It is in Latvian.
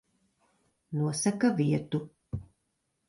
Nosaka vietu.